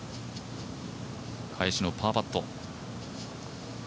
返しのパーパット。